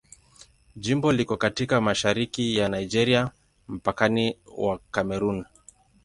Jimbo liko katika mashariki ya Nigeria, mpakani wa Kamerun.